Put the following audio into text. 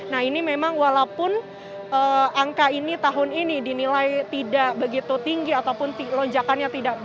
nah ini memang walaupun angka ini tahun ini dinilai tidak begitu tinggi ataupun lonjakannya tidak